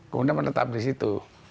kemudian menetap di situ